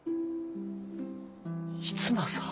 逸馬さん？